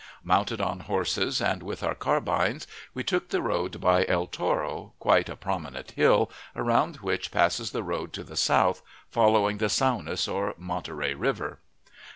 Mounted on horses, and with our carbines, we took the road by El Toro, quite a prominent hill, around which passes the road to the south, following the Saunas or Monterey River.